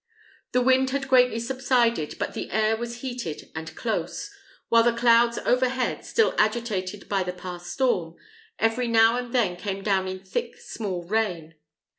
The wind had greatly subsided, but the air was heated and close; while the clouds overhead, still agitated by the past storm, every now and then came down in thick small rain.